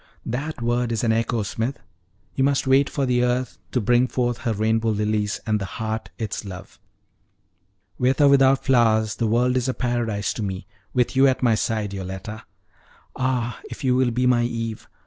"That word is an echo, Smith. You must wait for the earth to bring forth her rainbow lilies, and the heart its love." "With or without flowers, the world is a paradise to me, with you at my side, Yoletta. Ah, if you will be my Eve!